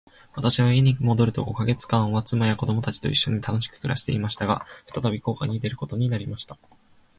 私は家に戻ると五ヵ月間は、妻や子供たちと一しょに楽しく暮していました。が、再び航海に出ることになりました。